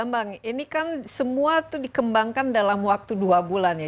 bambang ini kan semua itu dikembangkan dalam waktu dua bulan ya